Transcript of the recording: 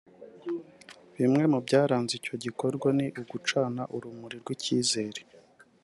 Bimwe mu byaranze icyo gikorwa ni ugucana urumuri rw’icyizere